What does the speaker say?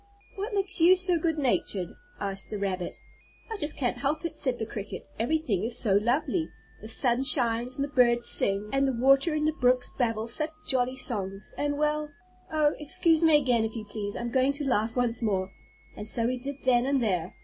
"What makes you so good natured?" asked the rabbit. "I just can't help it," said the cricket. "Everything is so lovely. The sun shines, and the birds sing, and the water in the brooks babble such jolly songs, and well Oh, excuse me again if you please, I'm going to laugh once more," and so he did then and there.